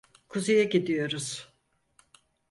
Kuzeye gidiyoruz.